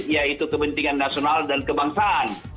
yaitu kepentingan nasional dan kebangsaan